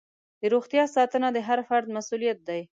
د روغتیا ساتنه د هر فرد مسؤلیت دی.